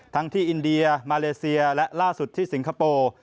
ที่อินเดียมาเลเซียและล่าสุดที่สิงคโปร์